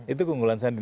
itu keunggulan sandi